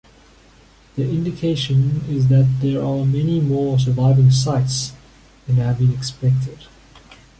The indication is that there are many more surviving sites than had been expected.